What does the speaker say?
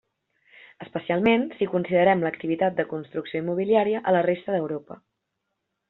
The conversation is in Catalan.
Especialment si considerem l'activitat de construcció immobiliària a la resta d'Europa.